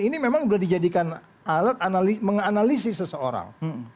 ini memang sudah dijadikan alat menganalisis seseorang